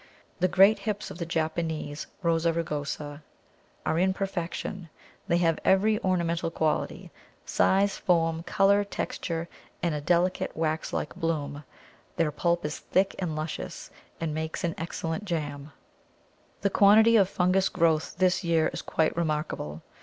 The great hips of the Japanese Rosa rugosa are in perfection; they have every ornamental quality size, form, colour, texture, and a delicate waxlike bloom; their pulp is thick and luscious, and makes an excellent jam. The quantity of fungous growth this year is quite remarkable.